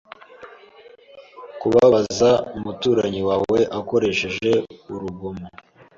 Kubabaza umuturanyi wawe akoresheje urugomo